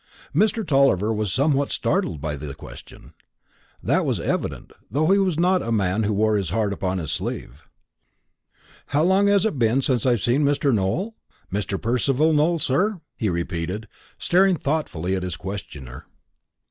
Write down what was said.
Mr. Tulliver was somewhat startled by the question. That was evident, though he was not a man who wore his heart upon his sleeve. "How long is it since I've seen Mr. Nowell Mr. Percival Nowell, sir?" he repeated, staring thoughtfully at his questioner.